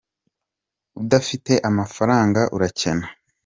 udafite amafaranga urakena